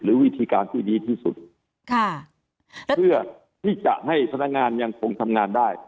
วิธีการที่ดีที่สุดค่ะเพื่อที่จะให้พนักงานยังคงทำงานได้